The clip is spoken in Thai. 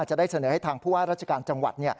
จะได้เสนอให้ทางผู้ว่าราชการจังหวัด